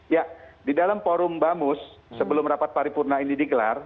ya di dalam forum bamus sebelum rapat paripurna ini digelar